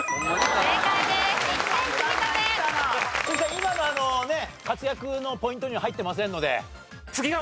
今のはね活躍のポイントには入ってませんので。